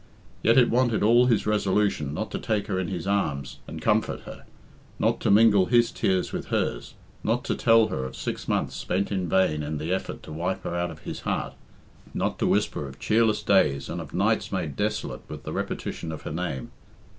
Yet it wanted all his resolution not to take her in his arms and comfort her, not to mingle his tears with hers, not to tell her of six months spent in vain in the effort to wipe her out of his heart, not to whisper of cheerless days and of nights made desolate with the repetition of her name.